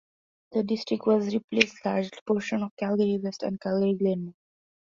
The district replaced large portions of Calgary West and Calgary Glenmore.